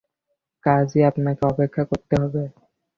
কাজেই আপনাকে অপেক্ষা করতে হবে।